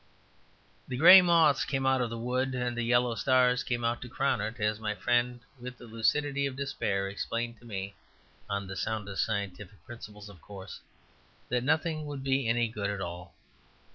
The grey moths came out of the wood and the yellow stars came out to crown it, as my friend, with the lucidity of despair, explained to me (on the soundest scientific principles, of course) that nothing would be any good at all.